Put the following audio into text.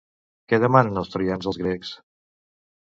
Què demanen els troians als grecs?